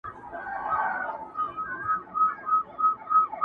همدا چاپېريال د اوږدې مودې راهيسي ګڼي نجوني قرباني کړي دي,